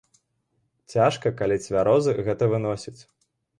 Цяжка, калі цвярозы, гэта выносіць.